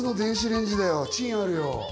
チンあるよ。